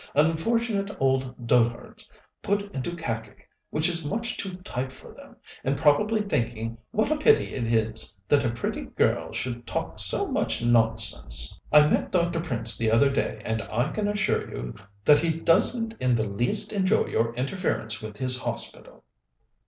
Unfortunate old dotards put into khaki which is much too tight for them, and probably thinking what a pity it is that a pretty girl should talk so much nonsense! I met Dr. Prince the other day, and I can assure you that he doesn't in the least enjoy your interference with his Hospital."